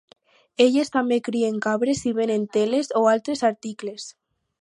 Elles també crien cabres i venen teles o altres articles.